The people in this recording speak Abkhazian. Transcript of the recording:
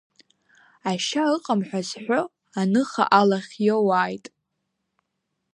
Ашьа ыҟам ҳәа зҳәо аныха алахь иоуааит!